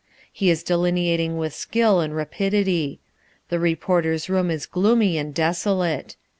He is delineating with skill and rapidity. The reporters' room is gloomy and desolate.